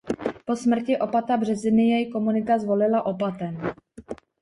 Po smrti opata Březiny jej komunita zvolila opatem.